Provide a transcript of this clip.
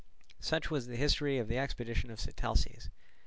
Such was the history of the expedition of Sitalces.